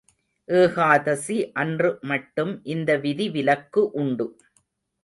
ஏகாதசி அன்று மட்டும் இந்த விதி விலக்கு உண்டு.